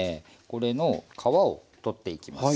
これの皮を取っていきます。